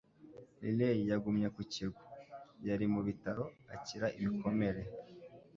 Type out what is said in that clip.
Riley yagumye ku kirwa - yari mu bitaro akira ibikomere